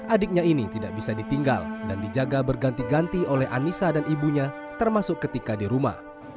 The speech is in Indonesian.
adiknya ini tidak bisa ditinggal dan dijaga berganti ganti oleh anissa dan ibunya termasuk ketika di rumah